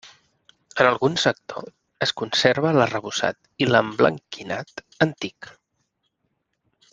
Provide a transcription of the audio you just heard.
En algun sector es conserva l'arrebossat i l'emblanquinat antic.